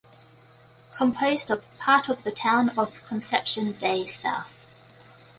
Composed of part of the town of Conception Bay South.